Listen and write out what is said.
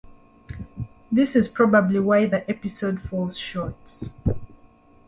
This is probably why the episode falls short.